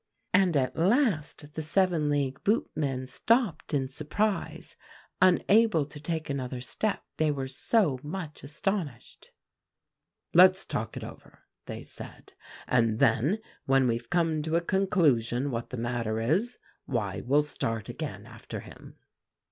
"And at last the seven league boot men stopped in surprise, unable to take another step, they were so much astonished. "'Let's talk it over,' they said, 'and then when we've come to a conclusion what the matter is, why we'll start again after him.